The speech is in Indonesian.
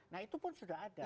nah itu pun sudah ada